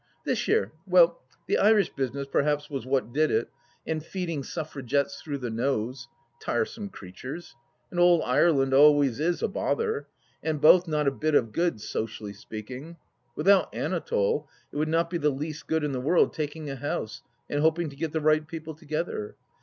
This year — ^well, the Irish business perhaps was what did it and feeding Suffragettes through the nose ! Tiresome creatures ! And ould Ireland always is a bother. And both not a bit of good, socially speaking. Without Anatole it would not be the least good in the world taking a house and hoping to get the right people together.